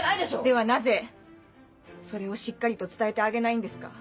ではなぜそれをしっかりと伝えてあげないんですか？